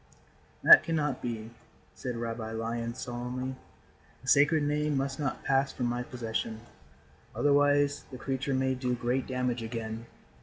"That cannot be," said Rabbi Lion, solemnly. "The Sacred Name must not pass from my possession. Otherwise the creature may do great damage again.